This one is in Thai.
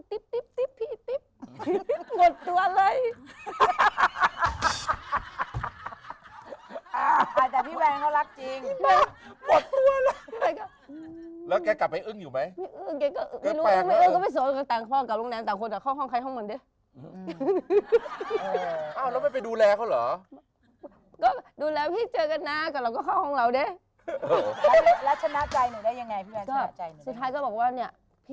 ปิ๊บปิ๊บปิ๊บปิ๊บปิ๊บปิ๊บปิ๊บปิ๊บปิ๊บปิ๊บปิ๊บปิ๊บปิ๊บปิ๊บปิ๊บปิ๊บปิ๊บปิ๊บปิ๊บปิ๊บปิ๊บปิ๊บปิ๊บปิ๊บปิ๊บปิ๊บปิ๊บปิ๊บปิ๊บปิ๊บปิ๊บปิ๊บปิ๊บปิ๊บปิ๊บปิ๊บปิ๊บปิ๊บปิ๊บปิ๊บปิ๊บปิ๊บปิ๊บปิ๊บปิ๊